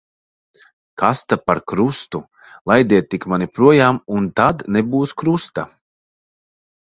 Kas ta par krustu. Laidiet tik mani projām, un tad nebūs krusta.